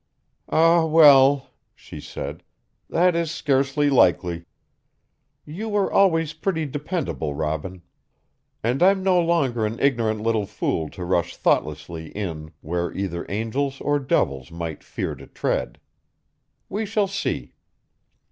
"Ah, well," she said, "that is scarcely likely. You were always pretty dependable, Robin. And I'm no longer an ignorant little fool to rush thoughtlessly in where either angels or devils might fear to tread. We shall see."